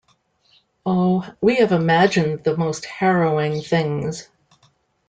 Oh, we have imagined the most harrowing things.